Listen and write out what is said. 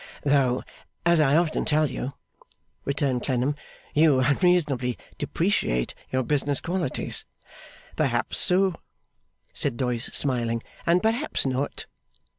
'Though, as I often tell you,' returned Clennam, 'you unreasonably depreciate your business qualities.' 'Perhaps so,' said Doyce, smiling. 'And perhaps not.